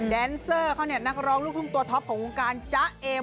แดนเซอร์เขานักร้องรูปธุมตัวท็อปของวงการจ๊ะเอ็ม